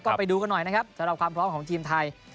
ก็ไปดูกันหน่อยนะครับสำหรับความพร้อมของทีมไทย